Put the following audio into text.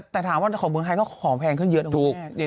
แต่ถามว่าของเมืองไทยก็ของแพงขึ้นเยอะนะถูก